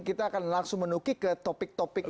kita akan langsung menuki ke topik topik